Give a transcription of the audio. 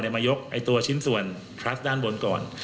มายกตัวชิ้นส่วนคลัสด้านบนก่อน